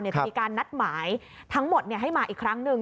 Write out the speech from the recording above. จะมีการนัดหมายทั้งหมดให้มาอีกครั้งหนึ่ง